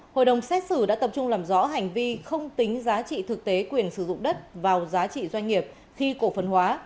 hội đồng xét xử đã tập trung làm rõ hành vi không tính giá trị thực tế quyền sử dụng đất vào giá trị doanh nghiệp khi cổ phần hóa